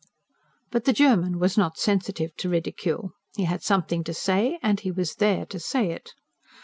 But the German was not sensitive to ridicule. He had something to say, and he was there to say it.